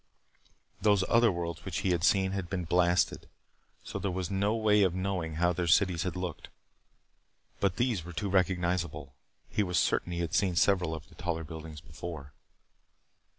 Those other worlds which he had seen had been blasted. So there was no way of knowing how their cities had looked. But these were too recognizable. He was certain that he had seen several of the taller buildings before.